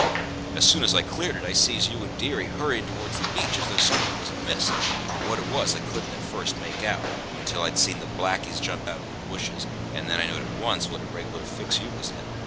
As soon as I cleared it, I sees you and dearie hurryin' towards the beach, as though somethin' was amiss, but what it was I couldn't at first make out, until I see'd the blackies jump out of the bushes, and then I knowed at once what a reg'lar fix you was in.